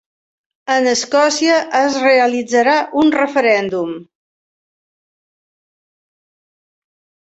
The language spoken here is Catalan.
En Escòcia es realitzarà un referèndum